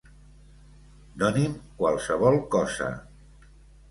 -, doni'm qualsevol cosa.